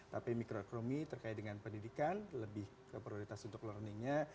tapi mikro ekonomi terkait dengan pendidikan lebih ke prioritas untuk learningnya